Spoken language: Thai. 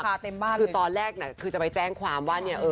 เต็มบ้านคือตอนแรกน่ะคือจะไปแจ้งความว่าเนี่ยเออ